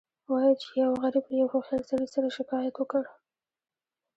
وایي چې یو غریب له یو هوښیار سړي سره شکایت وکړ.